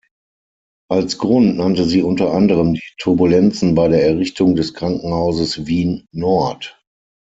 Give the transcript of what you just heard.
Als Grund nannte sie unter anderem die Turbulenzen bei der Errichtung des Krankenhauses Wien-Nord.